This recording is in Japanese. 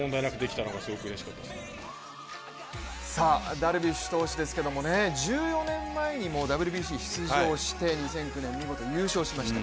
ダルビッシュ投手ですけども、１４年前にもＷＢＣ出場して２００９年、見事優勝しました。